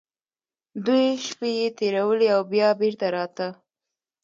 دوې شپې يې تېرولې او بيا بېرته راته.